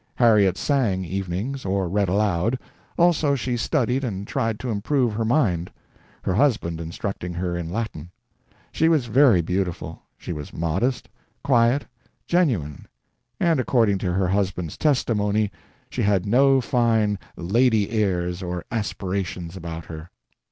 Harriet sang evenings or read aloud; also she studied and tried to improve her mind, her husband instructing her in Latin. She was very beautiful, she was modest, quiet, genuine, and, according to her husband's testimony, she had no fine lady airs or aspirations about her.